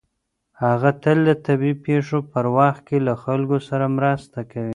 هغه تل د طبیعي پېښو په وخت کې له خلکو سره مرسته کوي.